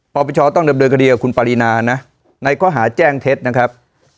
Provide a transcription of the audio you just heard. ปรประชอต้องเดินโดยคดีกับคุณปารินานะในข้อหาแจ้งเท็จนะครับ